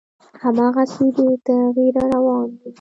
هماغسې بې تغییره روان وي،